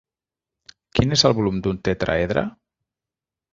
Quin és el volum d'un tetraedre?